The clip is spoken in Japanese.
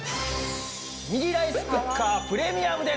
ミニライスクッカープレミアムです。